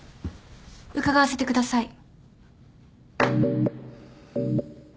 伺わせてください。